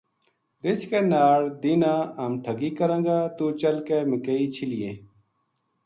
رچھ کے ناڑ دینہنا ہم ٹھگی کراں گا توہ چل کے مکئی چھلینے